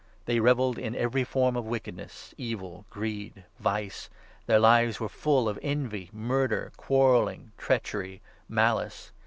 They revelled in .every form of wickedness, evil, greed, vice. Their lives were full of envy, mur der, quarrelling, treachery, malice.